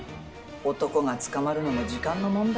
男が捕まるのも時間の問題。